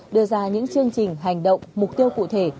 đưa ra những chương trình hành động mục tiêu cụ thể